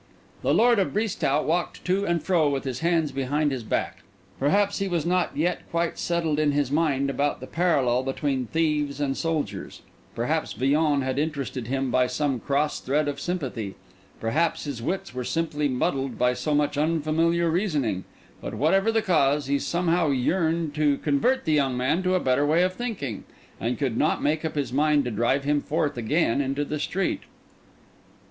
The lord of Brisetout walked to and fro with his hands behind his back. Perhaps he was not yet quite settled in his mind about the parallel between thieves and soldiers; perhaps Villon had interested him by some cross thread of sympathy; perhaps his wits were simply muddled by so much unfamiliar reasoning; but whatever the cause, he somehow yearned to convert the young man to a better way of thinking, and could not make up his mind to drive him forth again into the street.